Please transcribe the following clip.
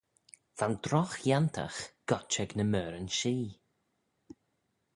Va'n drogh-yantagh goit ec ny meoiryn-shee.